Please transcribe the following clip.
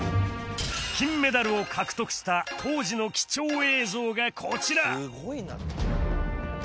金メダルを獲得した当時の貴重映像がこちら！